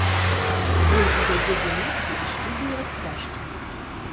Вольга вядзе заняткі ў студыі расцяжкі.